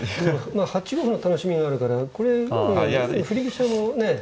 まあ８五歩の楽しみがあるからこれうん振り飛車もねえ。